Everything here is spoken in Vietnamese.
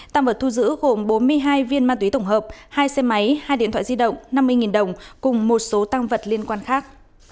tăng vật thu giữ gồm bốn mươi hai viên ma túy tổng hợp hai xe máy hai điện thoại di động năm mươi đồng cùng một số tăng vật liên quan khác